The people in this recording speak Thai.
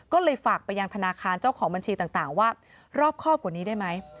ก็เลยฝากไปยังธนาคารเจ้าของบัญชีต่างว่ารอบครอบกว่านี้ได้ไหม